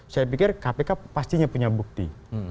saya pikir kpk pastinya punya bukti